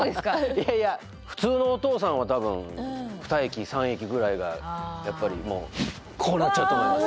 いやいや普通のお父さんは多分２駅３駅ぐらいがやっぱりもうこうなっちゃうと思います。